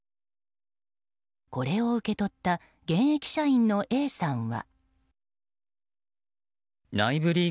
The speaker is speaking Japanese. これを受け取った現役社員のＡさんは。